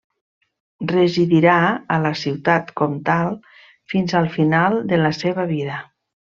Residirà a la ciutat comtal fins al final de la seva vida.